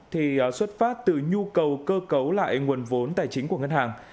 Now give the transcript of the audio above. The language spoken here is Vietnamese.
thì xuất phát từ nhu cầu cơ cấu lại nguồn vốn tài chính của ngân hàng